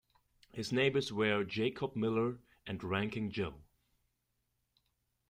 His neighbours were Jacob Miller and Ranking Joe.